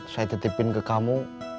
saya tetipin ke kamu